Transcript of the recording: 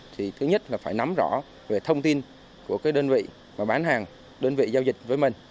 thì thứ nhất là phải nắm rõ về thông tin của cái đơn vị mà bán hàng đơn vị giao dịch với mình